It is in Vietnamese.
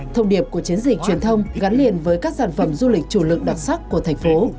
thông điệp của chiến dịch truyền thông gắn liền với các sản phẩm du lịch chủ lực đặc sắc của thành phố